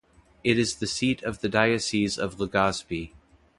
It is the seat of the Diocese of Legazpi.